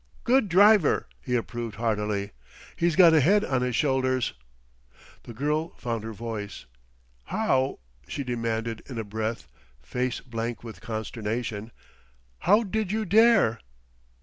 "Good driver!" he approved heartily. "He's got a head on his shoulders!" The girl found her voice. "How," she demanded in a breath, face blank with consternation, "how did you dare?"